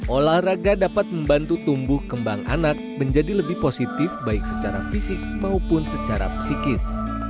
olahraga dapat membantu tumbuh kembang anak menjadi lebih positif baik secara fisik maupun secara psikis